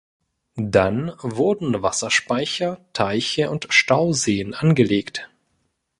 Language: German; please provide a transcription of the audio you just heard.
Dann wurden Wasserspeicher, Teiche und Stauseen angelegt.